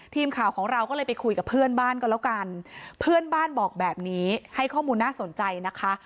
ทีมข่าวของเราก็เลยไปคุยกับเพื่อนบ้านก็แล้วกันเพื่อนบ้านบอกแบบนี้ให้ข้อมูลน่าสนใจนะคะ